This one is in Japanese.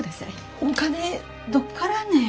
お金どっからね？